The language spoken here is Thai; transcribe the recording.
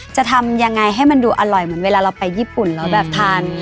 จะทำยังไงให้มันดูอร่อยเหมือนเวลาเราไปญี่ปุ่นแล้วแบบทาน